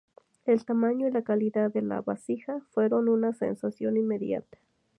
El tamaño y la calidad de la vasija fueron una sensación inmediata.